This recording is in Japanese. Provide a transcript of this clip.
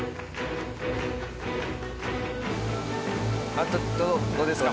あっどうですか？